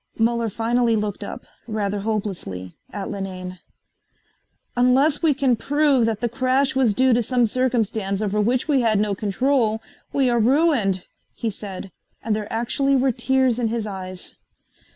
Muller finally looked up, rather hopelessly, at Linane. "Unless we can prove that the crash was due to some circumstance over which we had no control, we are ruined," he said, and there actually were tears in his eyes.